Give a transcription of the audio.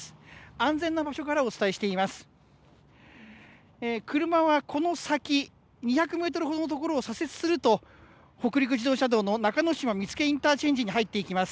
安全な場所からお伝えしています。